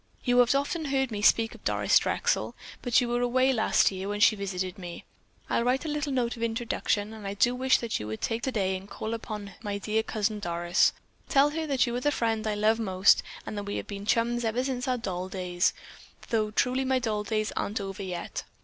You have often heard me speak of Doris Drexel, but you were away last year when she visited me. I'll write a little note of introduction, and I do wish that you would take it today and call upon my dear Cousin Doris. Tell her that you are the friend I love most and that we have been chums ever since our doll days, though truly my doll days aren't over yet.